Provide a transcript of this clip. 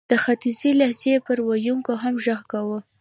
د ختیځې لهجې پر ویونکو هم ږغ کاوه.